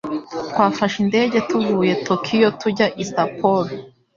Twafashe indege tuvuye Tokiyo tujya i Sapporo.